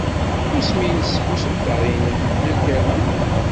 Isem-nnes usebter-nnem n Internet?